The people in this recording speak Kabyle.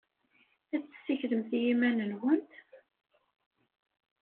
Ad tessiklemt i yiman-nwent?